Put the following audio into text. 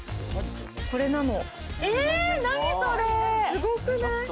これなの。